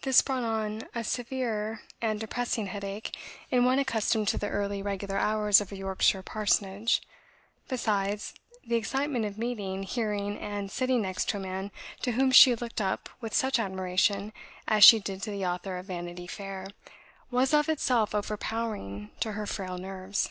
This brought on a severe and depressing headache in one accustomed to the early, regular hours of a Yorkshire Parsonage; besides, the excitement of meeting, hearing, and sitting next a man to whom she looked up with such admiration as she did to the author of "Vanity Fair," was of itself overpowering to her frail nerves.